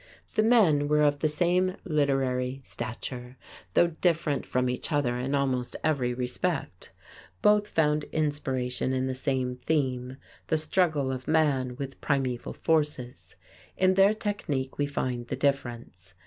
The men were of the same literary stature, though different from each other in almost every respect. Both found inspiration in the same theme the struggle of man with primeval forces. In their technique we find the difference.